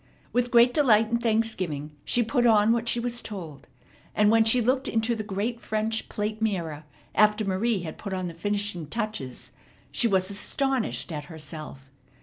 With great delight and thanksgiving she put on what she was told; and, when she looked into the great French plate mirror after Marie had put on the finishing touches, she was astonished at herself.